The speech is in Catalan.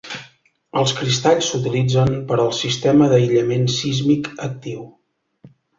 Els cristalls s'utilitzen per al "sistema d'aïllament sísmic actiu".